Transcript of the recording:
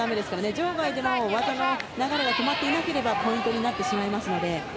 場外でも技の流れが止まっていなければポイントになってしまいますので。